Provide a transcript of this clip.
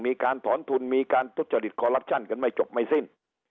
มีการถอนทุนมีการทุจริตคอลลับชั่นกันไม่จบไม่สิ้น